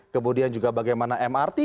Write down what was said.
kemudian juga bagaimana mrt